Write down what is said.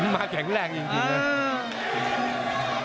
มาแข็งแรงจริงเลย